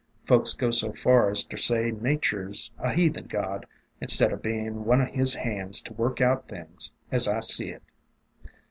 Folks go so far as ter say Natur' 's a heathen god, instead o' bein' one o' His hands to work out things, as I see it.'